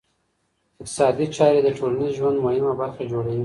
اقتصادي چاري د ټولنیز ژوند مهمه برخه جوړوي.